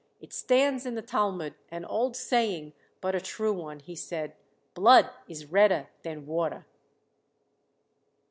"It stands in the Talmud, an old saying, but a true one," he said "'Blood is redder than water.'"